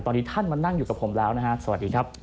ตอนนี้ท่านมานั่งอยู่กับผมแล้วนะฮะสวัสดีครับ